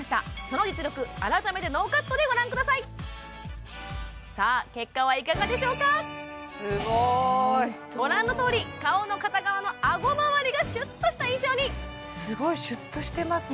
その実力改めてノーカットでご覧くださいさあ結果はいかがでしょうかすごーいご覧のとおり顔の片側のあごまわりがシュッとした印象にすごいシュッとしてます